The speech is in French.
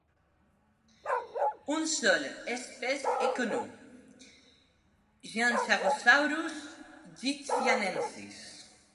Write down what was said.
Une seule espèce est connue, Jianchangosaurus yixianensis.